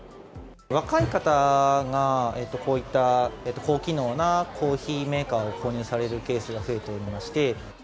若い方がこういった高機能なコーヒーメーカーを購入されるケースが増えておりまして。